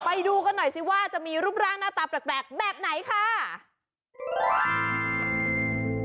ไปดูกันหน่อยสิว่าจะมีรูปร่างหน้าตาแปลกแบบไหนค่ะ